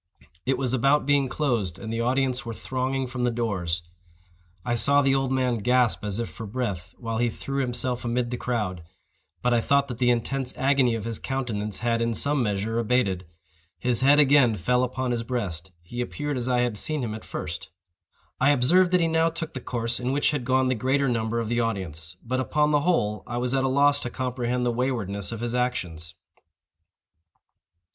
It was about being closed, and the audience were thronging from the doors. I saw the old man gasp as if for breath while he threw himself amid the crowd; but I thought that the intense agony of his countenance had, in some measure, abated. His head again fell upon his breast; he appeared as I had seen him at first. I observed that he now took the course in which had gone the greater number of the audience—but, upon the whole, I was at a loss to comprehend the waywardness of his actions.